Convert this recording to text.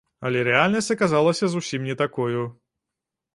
Але рэальнасць аказалася зусім не такою.